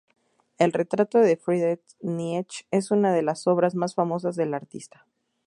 El retrato de Friedrich Nietzsche es una de las obras más famosas del artista.